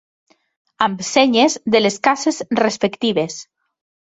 ...amb senyes de les cases respectives.